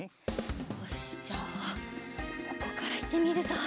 よしじゃあここからいってみるぞ。